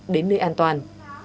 đến nơi an toàn